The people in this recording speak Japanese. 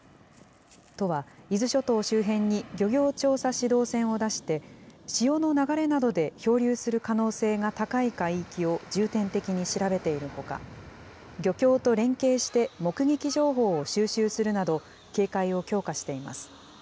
都は伊豆諸島周辺に漁業調査指導船を出して、潮の流れなどで漂流する可能性が高い海域を重点的に調べているほか、漁協と連携して、目撃情報を収集するなど、警戒を強化しています。